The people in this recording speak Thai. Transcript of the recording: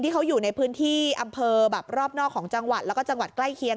เขาอยู่ในพื้นที่อำเภอแบบรอบนอกของจังหวัดแล้วก็จังหวัดใกล้เคียง